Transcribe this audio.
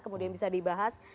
kemudian bisa dibahas